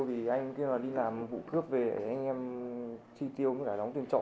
thì anh kêu là đi làm vụ cướp về anh em chi tiêu cả đóng tiền trọ